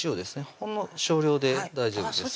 ほんの少量で大丈夫です